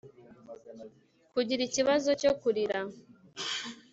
kugira ikibazo cyo kurira